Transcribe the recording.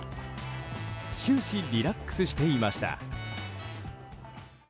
終始リラックスしていました。